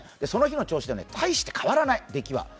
その日の調子でたいして変わらない、出来は。